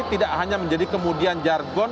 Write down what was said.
tidak hanya menjadi kemudian jargon